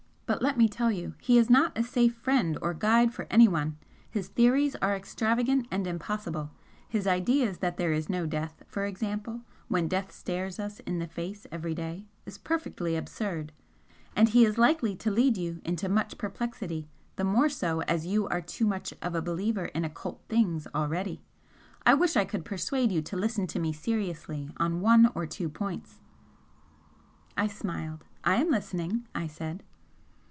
But let me tell you he is not a safe friend or guide for anyone. His theories are extravagant and impossible his idea that there is no death, for example, when death stares us in the face every day, is perfectly absurd and he is likely to lead you into much perplexity, the more so as you are too much of a believer in occult things already. I wish I could persuade you to listen to me seriously on one or two points " I smiled. "I am listening!" I said.